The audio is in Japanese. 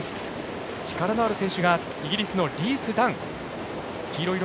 力のある選手がイギリスのリース・ダン。